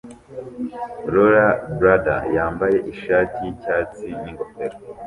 rollerblader yambaye ishati yicyatsi n'ingofero